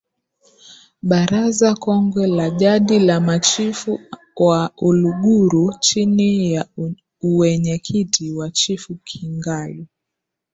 Baraza Kongwe la Jadi la Machifu wa Uluguru chini ya Uwenyekiti wa Chifu Kingalu